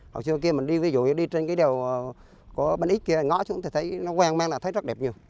hồi xưa kia mình đi ví dụ đi trên cái đèo của bánh ít kia ngó xuống thì thấy nó quen mang là thấy rất đẹp nhiều